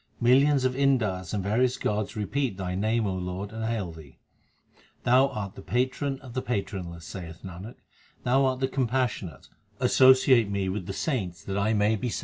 Millions of Indars and various gods repeat Thy name, O Lord, and hail Thee. Thou art the Patron of the patronless, saith Nanak ; Thou art the compassionate ; associate me with the saints that I may be saved.